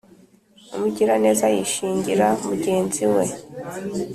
Umugiraneza yishingira mugenzi we,